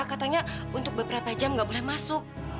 katanya untuk beberapa jam nggak boleh masuk